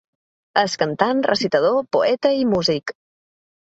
És cantant, recitador, poeta i músic.